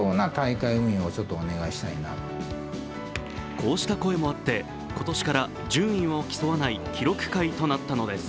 こうした声もあって、今年から順位を競わない記録会となったのです。